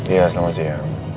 iya selamat siang